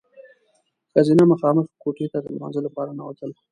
ښځینه مخامخ کوټې ته د لمانځه لپاره ننوتل.